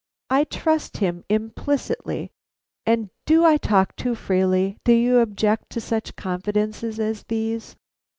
I trust him implicitly, and Do I talk too freely? Do you object to such confidences as these?"